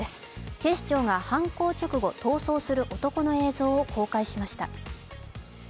警視庁が犯行直後、逃走する男の映像を公開しました。